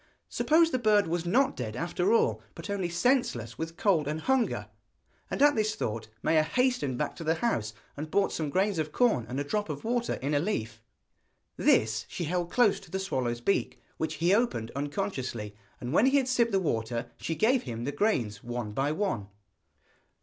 Suppose the bird was not dead after all, but only senseless with cold and hunger! And at this thought Maia hastened back to the house, and brought some grains of corn, and a drop of water in a leaf. This she held close to the swallow's beak, which he opened unconsciously, and when he had sipped the water she gave him the grains one by one.